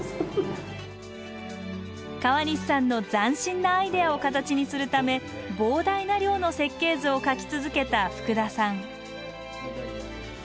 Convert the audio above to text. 川西さんの斬新なアイデアを形にするため膨大な量の設計図を描き続けた福田さん